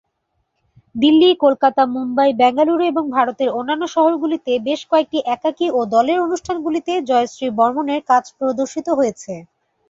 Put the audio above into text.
দিল্লি, কলকাতা, মুম্বাই, বেঙ্গালুরু এবং ভারতের অন্যান্য শহরগুলিতে বেশ কয়েকটি একাকী ও দলের অনুষ্ঠানগুলিতে জয়শ্রী বর্মণের কাজ প্রদর্শিত হয়েছে।